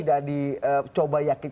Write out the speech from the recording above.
tidak dicoba yakin